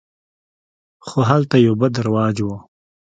خو هلته یو بد رواج و.